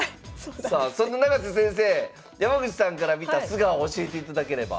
さあそんな永瀬先生山口さんから見た素顔を教えていただければ。